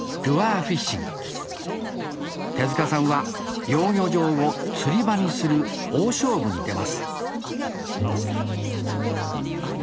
手さんは養魚場を釣り場にする大勝負に出ます